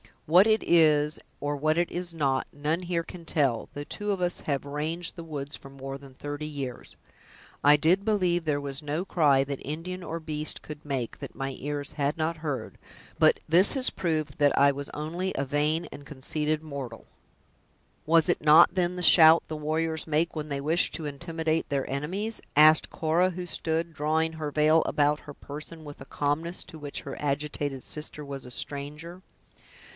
"What it is, or what it is not, none here can tell, though two of us have ranged the woods for more than thirty years. I did believe there was no cry that Indian or beast could make, that my ears had not heard; but this has proved that I was only a vain and conceited mortal." "Was it not, then, the shout the warriors make when they wish to intimidate their enemies?" asked Cora who stood drawing her veil about her person, with a calmness to which her agitated sister was a stranger.